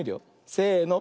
せの。